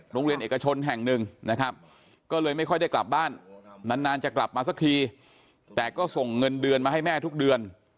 โรงเรียนเอกชนแห่งหนึ่งนะครับก็เลยไม่ค่อยได้กลับบ้านนานจะกลับมาสักทีแต่ก็ส่งเงินเดือนมาให้แม่ทุกเดือน